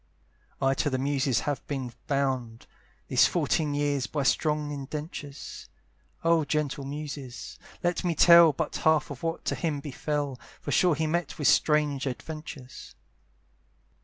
I to the muses have been bound, These fourteen years, by strong indentures; Oh gentle muses! let me tell But half of what to him befel, For sure he met with strange adventures.